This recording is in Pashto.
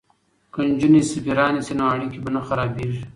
که نجونې سفیرانې شي نو اړیکې به نه خرابیږي.